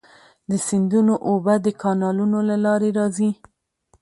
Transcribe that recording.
د سیندونو اوبه د کانالونو له لارې راځي.